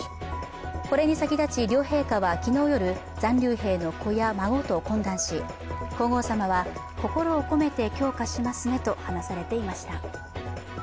これに先立ち、両陛下は昨日夜、残留兵の子や孫と懇談し、皇后さまは、心を込めて供花しますねと話されていました。